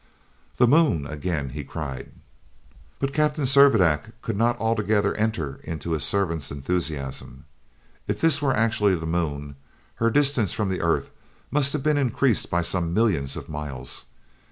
"The moon!" again he cried. But Captain Servadac could not altogether enter into his servant's enthusiasm. If this were actually the moon, her distance from the earth must have been increased by some millions of miles.